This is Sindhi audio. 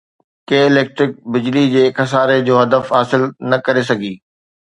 ڪي اليڪٽرڪ بجلي جي خساري جو هدف حاصل نه ڪري سگهي